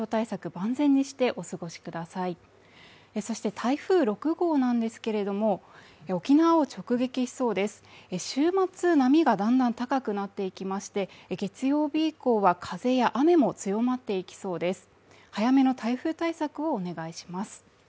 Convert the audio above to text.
万全にしてお過ごしくださいそして台風６号なんですけれども沖縄を直撃しそうです週末、波がだんだん高くなっていきまして月曜日以降は風や雨も強まっていきそうです早めの台風対策をお願いします